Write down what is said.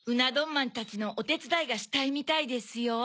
まんたちのおてつだいがしたいみたいですよ。